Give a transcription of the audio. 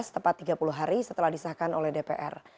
tepat tiga puluh hari setelah disahkan oleh dpr